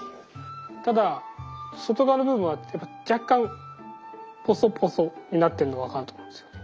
ただ外側の部分は若干ポソポソになってるのが分かると思うんですよね